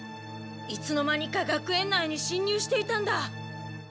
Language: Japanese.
いつの間にか学園内にしん入していたんだ。